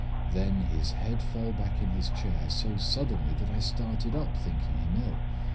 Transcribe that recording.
Then his head fell back in his chair so suddenly that I started up, thinking him ill.